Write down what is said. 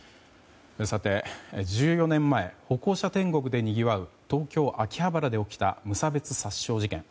１４年前、歩行者天国でにぎわう東京・秋葉原で起きた無差別殺傷事件。